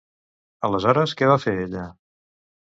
Aleshores, què va fer ella?